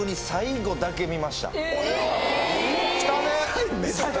最後だけ？